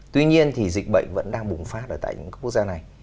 tuy nhiên thì dịch bệnh vẫn đang bùng phát ở tại các quốc gia này